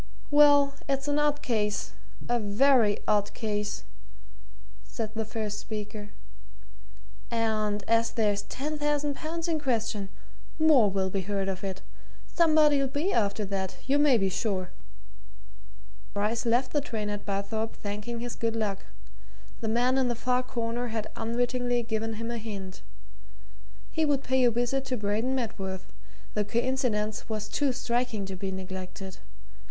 "Well it's an odd case a very odd case," said the first speaker. "And as there's ten thousand pounds in question, more will be heard of it. Somebody'll be after that, you may be sure!" Bryce left the train at Barthorpe thanking his good luck the man in the far corner had unwittingly given him a hint. He would pay a visit to Braden Medworth the coincidence was too striking to be neglected.